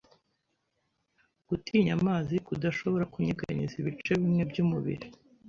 gutinya amazi, kudashobora kunyeganyeza ibice bimwe by’umubiri